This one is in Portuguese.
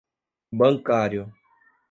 bancário